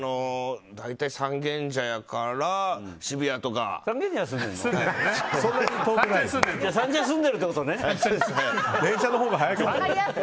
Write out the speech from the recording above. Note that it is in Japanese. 大体、三軒茶屋から渋谷から。三茶に住んでるってことね。